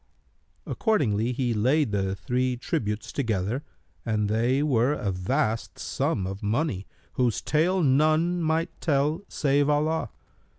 [FN#296]" Accordingly he laid the three tributes together and they were a vast sum of money, whose tale none might tell save Allah.